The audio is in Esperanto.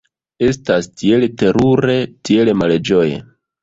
Estas tiel terure, tiel malĝoje!